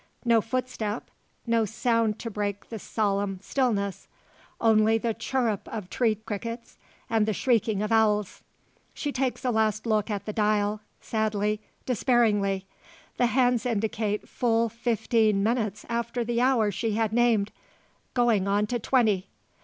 No footstep no sound to break the solemn stillness only the chirrup of tree crickets, and the shrieking of owls. She takes a last look at the dial, sadly, despairingly. The hands indicate full fifteen minutes after the hour she had named going on to twenty.